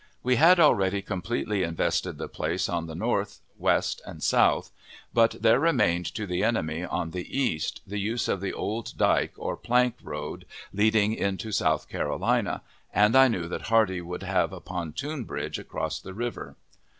We had already completely invested the place on the north, west, and south, but there remained to the enemy, on the east, the use of the old dike or plank road leading into South Carolina, and I knew that Hardee would have a pontoon bridge across the river.